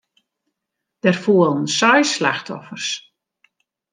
Der foelen seis slachtoffers.